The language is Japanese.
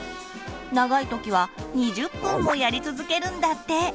長いときは２０分もやり続けるんだって！